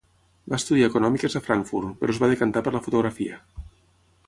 Va estudiar econòmiques a Frankfurt, però es va decantar per la fotografia.